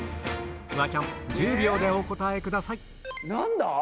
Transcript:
フワちゃん１０秒でお答えください何だ？